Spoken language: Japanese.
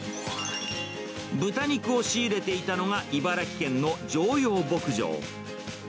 豚肉を仕入れていたのが、茨城県の常陽牧場。